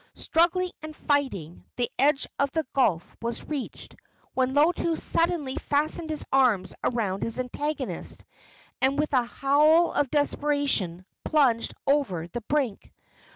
Struggling and fighting, the edge of the gulf was reached, when Lotu suddenly fastened his arms around his antagonist, and with a howl of desperation plunged over the brink.